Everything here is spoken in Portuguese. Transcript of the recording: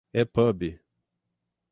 epub